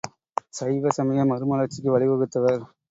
சைவ சமய மறுமலர்ச்சிக்கு வழிவகுத்தவர்.